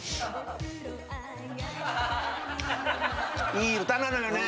いい歌なのよね。